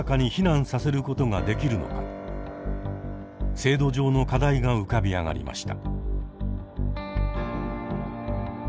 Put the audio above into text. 制度上の課題が浮かび上がりました。